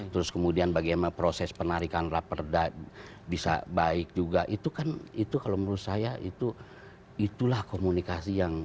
terus kemudian bagaimana proses penarikan raperda bisa baik juga itu kan itu kalau menurut saya itu itulah komunikasi yang